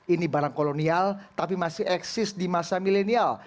ini barang kolonial tapi masih eksis di masa milenial